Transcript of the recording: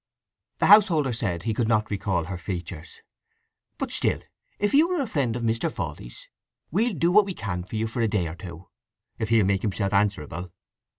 The householder said he could not recall her features. "But still, if you are a friend of Mr. Fawley's we'll do what we can for a day or two—if he'll make himself answerable?"